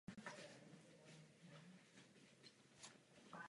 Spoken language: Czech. Tato situace porušuje ducha Olympijské charty.